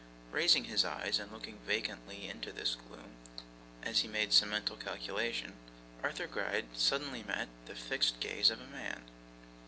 Raising his eyes, and looking vacantly into this gloom as he made some mental calculation, Arthur Gride suddenly met the fixed gaze of a man.